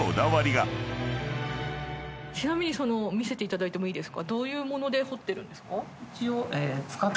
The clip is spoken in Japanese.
ちなみに見せていただいてもいいですか？